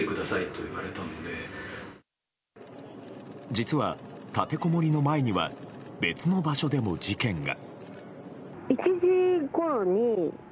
実は、立てこもりの前には別の場所でも事件が。